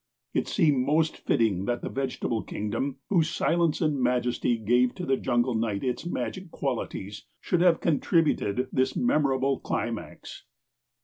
It seemed most fitting that the vegetable kingdom, whose silence and majesty gave to the jungle night its magic qualities, should have contributed this memorable climax.